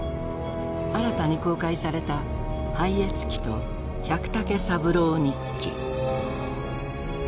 新たに公開された「拝謁記」と「百武三郎日記」。